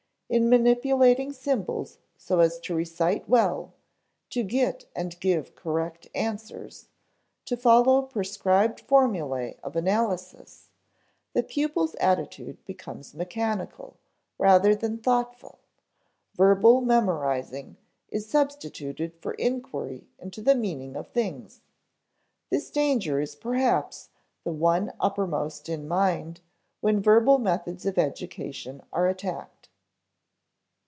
In manipulating symbols so as to recite well, to get and give correct answers, to follow prescribed formulæ of analysis, the pupil's attitude becomes mechanical, rather than thoughtful; verbal memorizing is substituted for inquiry into the meaning of things. This danger is perhaps the one uppermost in mind when verbal methods of education are attacked.